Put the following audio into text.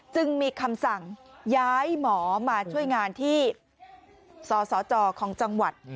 จึงมีคำสั่งย้ายหมอมาช่วยงานที่สสจของจังหวัด